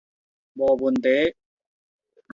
無問題